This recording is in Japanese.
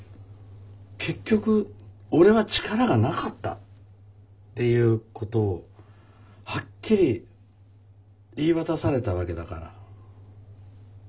結局俺は力がなかったっていうことをはっきり言い渡されたわけだから。